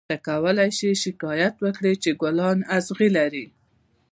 ته کولای شې شکایت وکړې چې ګلان اغزي لري.